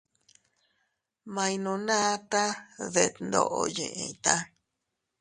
Ma iynunata detndoʼo yiʼita.